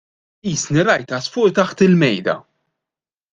Qisni rajt għasfur taħt il-mejda.